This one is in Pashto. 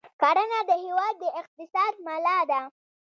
کرنه د هېواد د اقتصاد ملا ده.